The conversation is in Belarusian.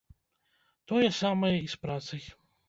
Тое самае і з працай.